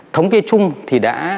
thống kê chung thì đã